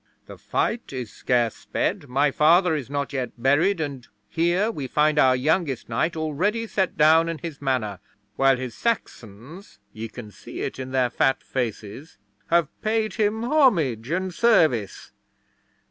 "The fight is scarce sped, my father is not yet buried, and here we find our youngest knight already set down in his Manor, while his Saxons ye can see it in their fat faces have paid him homage and service!